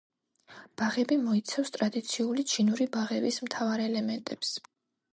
ბაღები მოიცავს ტრადიციული ჩინური ბაღების მთავარ ელემენტებს.